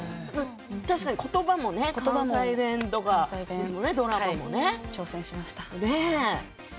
確かに言葉も関西弁とかドラマもね。挑戦しました。